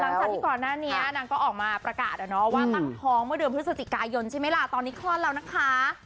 หลังจากที่ก่อนหน้านี้นางก็ออกมาประกาศว่าตั้งท้องเมื่อเดือนพฤศจิกายนใช่ไหมล่ะตอนนี้คลอดแล้วนะคะ